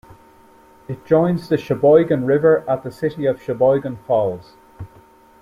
It joins the Sheboygan River at the city of Sheboygan Falls.